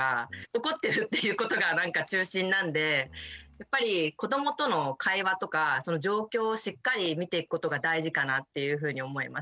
怒ってるっていうことがなんか中心なんでやっぱり子どもとの会話とかその状況をしっかり見ていくことが大事かなっていうふうに思いました。